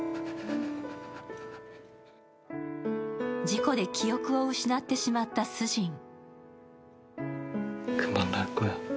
事故で記憶を失ってしまったスジン。